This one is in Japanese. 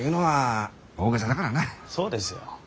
そうですよ。